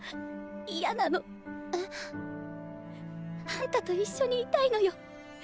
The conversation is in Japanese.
あんたと一緒にいたいのよ。